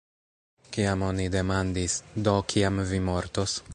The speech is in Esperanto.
Kiam oni demandis, "Do, kiam vi mortos?